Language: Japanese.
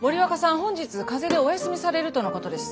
本日風邪でお休みされるとのことです。